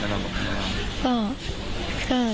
เหมือนแม่เราบอกให้เรา